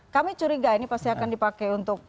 kami curiga ini pasti akan dipakai untuk